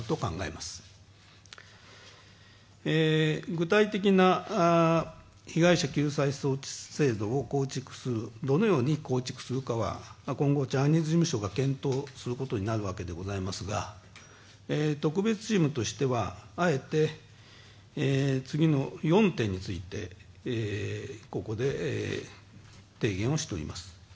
具体的な被害者救済措置制度を構築する今後、ジャニーズ事務所が検討することになるわけでございますが特別チームとしては、あえて次の４点についてここで提言をしております。